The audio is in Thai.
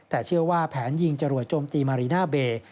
แต่เชื่อว่าแผนยิงจรวดโจมตีมารีน่าเบย์